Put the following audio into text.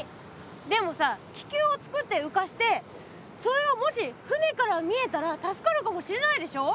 でもさ気球をつくって浮かしてそれがもし船から見えたら助かるかもしれないでしょ。